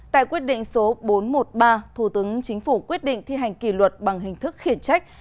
tại quyết định số bốn trăm một mươi ba thủ tướng chính phủ quyết định thi hành kỷ luật bằng hình thức khiển trách